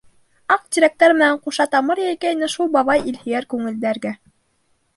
Аҡ тирәктәр менән ҡуша тамыр йәйгәйне шул бабай илһөйәр күңелдәргә.